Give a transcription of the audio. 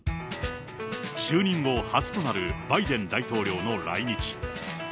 就任後初となるバイデン大統領の来日。